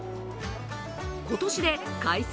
今年で開催